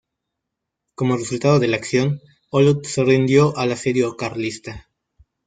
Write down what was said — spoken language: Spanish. Como resultado de la acción, Olot se rindió al asedio carlista.